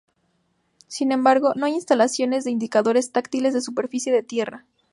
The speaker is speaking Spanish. Sin embargo, no hay instalaciones de indicadores táctiles de superficie de tierra.